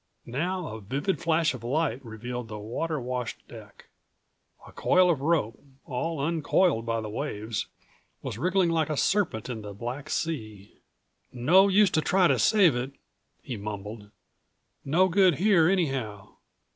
Now a vivid flash of light revealed the water washed deck. A coil of rope, all uncoiled by the waves, was wriggling like a serpent in the black sea.197 "No use to try to save it," he mumbled. "No good here, anyhow."